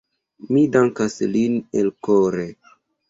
Mi dankas lin elkore.